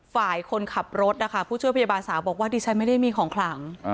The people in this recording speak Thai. ฝ่ายคนขับรถนะคะผู้ช่วยพยาบาลสาวบอกว่าดิฉันไม่ได้มีของขลัง